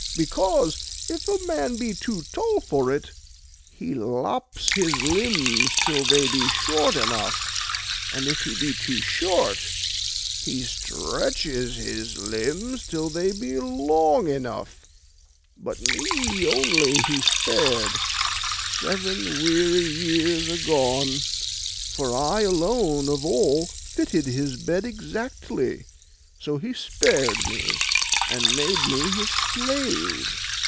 'Because, if a man be too tall for it, he lops his limbs till they be short enough, and if he be too short, he stretches his limbs till they be long enough: but me only he spared, seven weary years agone; for I alone of all fitted his bed exactly, so he spared me, and made me his slave.